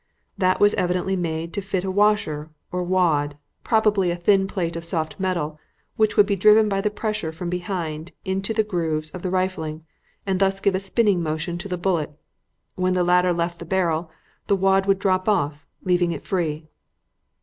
That was evidently made to fit a washer or wad probably a thin plate of soft metal which would be driven by the pressure from behind into the grooves of the rifling and thus give a spinning motion to the bullet. When the latter left the barrel, the wad would drop off, leaving it free."